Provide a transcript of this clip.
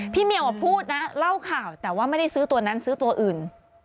เมียวพูดนะเล่าข่าวแต่ว่าไม่ได้ซื้อตัวนั้นซื้อตัวอื่น